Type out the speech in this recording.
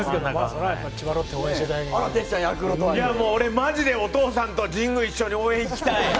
俺、マジでお父さんと神宮一緒に応援行きたい。